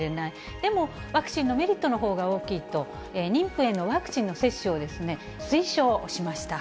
でも、ワクチンのメリットのほうが大きいと、妊婦へのワクチンの接種を推奨しました。